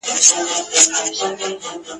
سرترنوکه ځان په زغره کي پېچلې !.